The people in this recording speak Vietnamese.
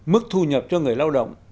mức thu nhập cho người lao động